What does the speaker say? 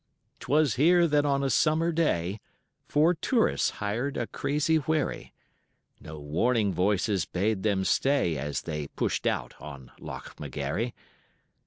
'Twas here that on a summer day Four tourists hired a crazy wherry. No warning voices bade them stay, As they pushed out on Loch McGarry.